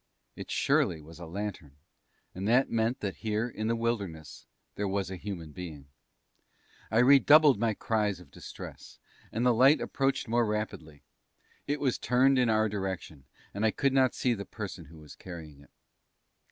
It surely was a lantern, and that meant that here, in the wilderness, there was a human being. I redoubled my cries of distress, and the light approached more rapidly. It was turned in our direction, and I could not see the person who was carrying it.